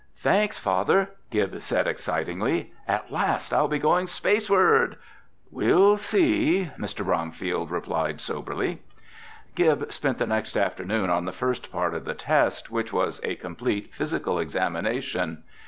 "Thanks, Father!" Gib said excitedly. "At last I'll be going spaceward!" "We'll see," Mr. Bromfield replied soberly. Gib spent the next afternoon on the first part of the test, which was a complete physical examination.